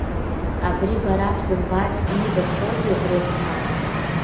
Абри бара бзымбац иибахьоузеи, рыцҳа!